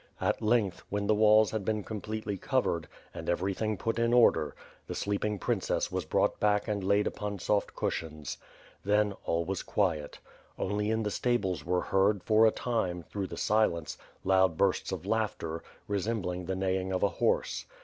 At length, when the walls had been completely covered, and everything put in order, the sleeping princess was brought back and laid upon soft cushions. Then, all was quiet. Only in the stables were heard, for a time, through the silence, loud bursts of laughter, resembling the neighing of a horse.